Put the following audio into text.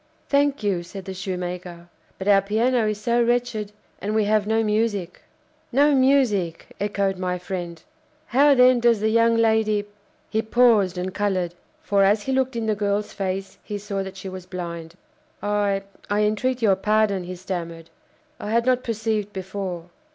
"Thank you!" said the shoemaker; "but our piano is so wretched, and we have no music." "No music!" echoed my friend; "how, then, does the young lady " he paused and coloured; for, as he looked in the girl's face, he saw that she was blind. "I I entreat your pardon," he stammered. "I had not perceived before.